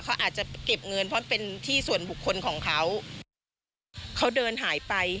เขาอาจจะเก็บเงินเพราะเป็นที่ส่วนบุคคลของเขาเขาเดินหายไป